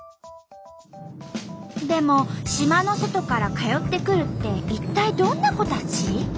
でも島の外から通ってくるって一体どんな子たち？